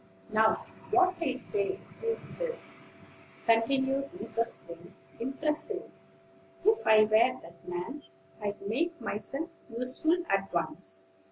"Now, what I say is this," continued Mrs. Wing impressively. "If I were that man, I'd make myself useful at once.